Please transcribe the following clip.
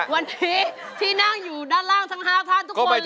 วันนี้ที่นั่งอยู่ด้านล่างทั้ง๕ท่านทุกคน